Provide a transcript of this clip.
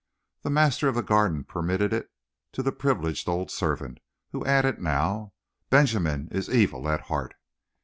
The master of the Garden permitted it to the privileged old servant, who added now: "Benjamin is evil at heart."